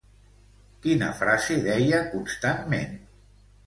Quina frase deia constantment?